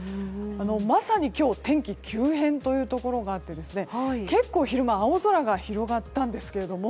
まさに今日天気急変というところがあって結構、昼間青空が広がったんですが。